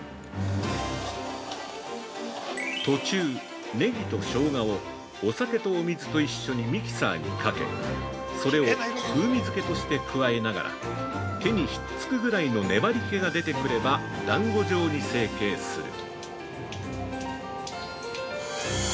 途中、ネギとしょうがを、お酒とお水と一緒にミキサーにかけ、それを風味づけとして加えながら手にひっつくぐらいの粘り気が出てくれば、団子状に成形する。